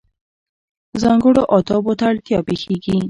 ځانګړو آدابو ته اړتیا پېښېږي.